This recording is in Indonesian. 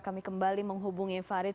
kami kembali menghubungi farid